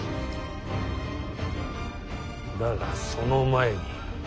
だがその前に。